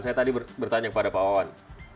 saya tadi bertanya kepada pak wawan